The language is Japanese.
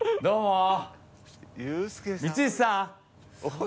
どうも。